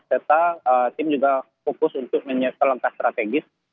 serta tim juga fokus untuk menyiapkan langkah strategis